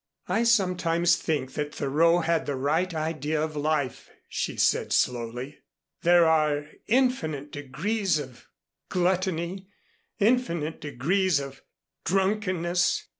"I sometimes think that Thoreau had the right idea of life," she said slowly. "There are infinite degrees of gluttony infinite degrees of drunkenness.